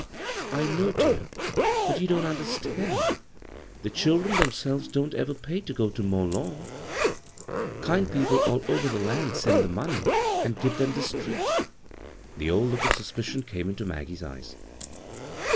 " I know, dear, but you don't understand. The children themselves don't ever pay to go to Mont Lawn. Kind people all over the b, Google CROSS CURRENTS land send the money and give them this treat" The old iook of suspicion came into Mag gie's eyes.